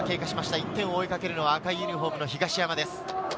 １点を追いかけるのは赤いユニホームの東山です。